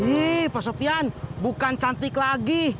ih pak sopyan bukan cantik lagi